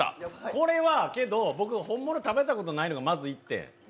これは、けど、僕は本物を食べたことがないのがまず１点。